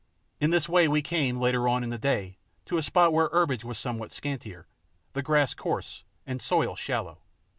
In this way we came, later on in the day, to a spot where herbage was somewhat scantier, the grass coarse, and soil shallow.